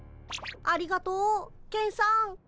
ありがとうケンさん。